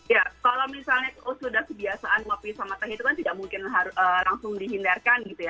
ya kalau misalnya sudah kebiasaan ngopi sama teh itu kan tidak mungkin langsung dihindarkan gitu ya